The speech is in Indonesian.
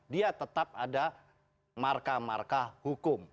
dia tetap ada marka marka hukum